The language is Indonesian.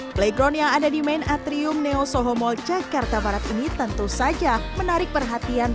playground yang ada di main atrium neo soho mall jakarta barat ini tentu saja menarik perhatian